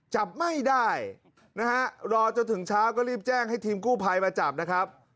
จับไม่ได้นะฮะรอจนถึงเช้าก็รีบแจ้งให้ทีมกู้ภัยมาจับนะครับ